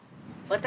私？